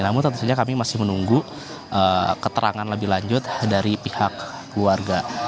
namun tentu saja kami masih menunggu keterangan lebih lanjut dari pihak keluarga